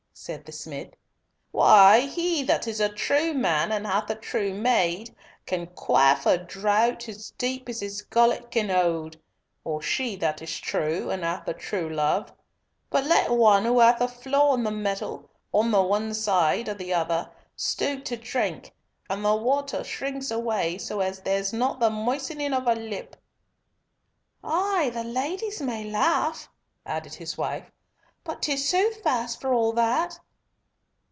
said the smith. "Why, he that is a true man and hath a true maid can quaff a draught as deep as his gullet can hold—or she that is true and hath a true love—but let one who hath a flaw in the metal, on the one side or t'other, stoop to drink, and the water shrinks away so as there's not the moistening of a lip." "Ay: the ladies may laugh," added his wife, "but 'tis soothfast for all that."